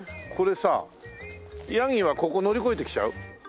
これさヤギはここ乗り越えて来ちゃう？